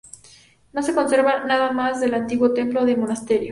No se conserva nada más del antiguo templo del monasterio.